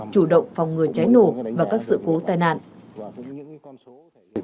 chủ động phòng ngừa cháy nổ và các sự cố tai nạn